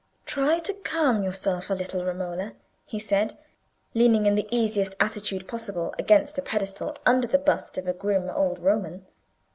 "Try to calm yourself a little, Romola," he said, leaning in the easiest attitude possible against a pedestal under the bust of a grim old Roman.